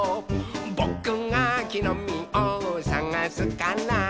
「ぼくがきのみをさがすから」